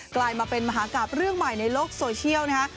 กลายมาเป็นมหากราบเรื่องใหม่ในโลกโซเชียลนะฮะ